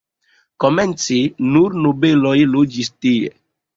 Komence nur nobeloj loĝis tie.